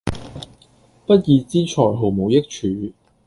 不義之財毫無益處